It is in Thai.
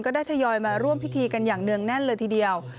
ได้ทยอยมาร่วมพิธีกันอย่างเนื่องแน่นเลยทีเดียว